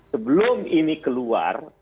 sebelum ini keluar